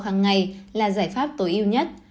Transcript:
hàng ngày là giải pháp tối yêu nhất